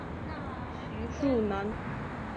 徐树楠。